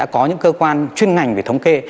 có những cơ quan chuyên ngành về thống kê